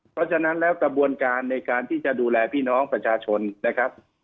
เพราะฉะนั้นแล้วกระบวนการในการที่จะดูแลพี่น้องประชาชนนะครับ